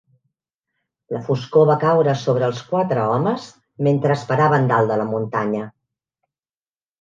La foscor va caure sobre els quatre homes mentre esperaven dalt de la muntanya.